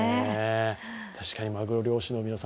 確かにまぐろ漁師の皆さん